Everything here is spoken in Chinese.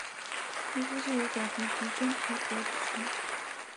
皮肤是由表皮及真皮所组成。